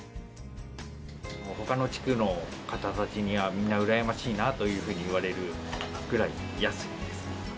ほかの地区の方たちには、みんな羨ましいなというふうに言われるぐらい安いです。